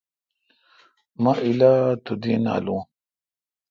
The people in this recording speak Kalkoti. مہ الا تودی نالون۔